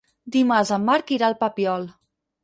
Dimarts en Marc irà al Papiol.